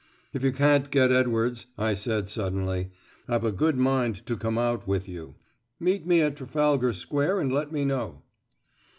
"If you can't get Edwards," I said suddenly, "I've a good mind to come out with you. Meet me at Trafalgar Square, and let me know."